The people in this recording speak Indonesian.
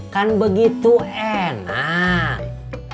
kan begitu enak